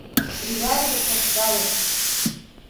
Уи лажәақәа сгәалашәоит…